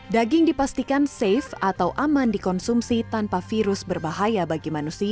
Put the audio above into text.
daging dipastikan safe atau aman dikonsumsi tanpa virus berbahaya bagi manusia